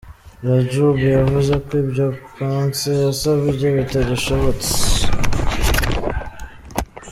Rajoub yavuze ko ibyo Pence yasabye bitagishobotse.